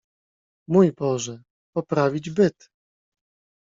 "Mój Boże, poprawić byt!"